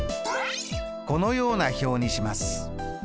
このような表にします。